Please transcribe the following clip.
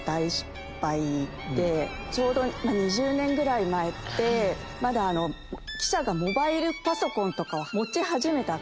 ちょうど２０年ぐらい前ってまだ記者がモバイルパソコンとかを持ち始めた頃で。